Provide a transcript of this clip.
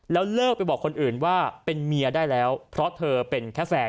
แล้วเลิกไปบอกคนอื่นว่าเป็นเมียได้แล้วเพราะเธอเป็นแค่แฟน